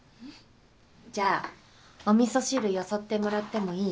じゃあお味噌汁よそってもらってもいい？